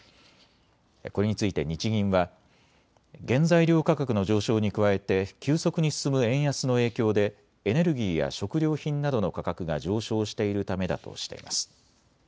これについて日銀は原材料価格の上昇に加えて急速に進む円安の影響でエネルギーや食料品などの価格が上昇しているためだとしています。